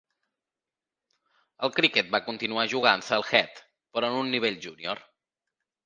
El criquet va continuar jugant-se al "Heath", però en un nivell junior.